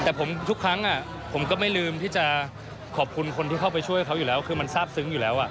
แต่ผมทุกครั้งผมก็ไม่ลืมที่จะขอบคุณคนที่เข้าไปช่วยเขาอยู่แล้วคือมันทราบซึ้งอยู่แล้ว